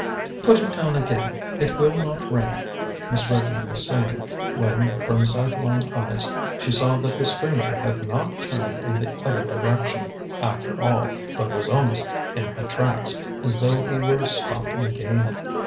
"Put it down again. It will not rain," Miss Redmond was saying, when, from sidelong eyes, she saw that the stranger had not turned in the other direction, after all, but was almost in her tracks, as though he were stalking game.